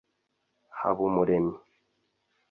Habumuremyi